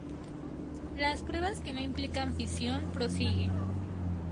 Las pruebas que no implican fisión prosiguen.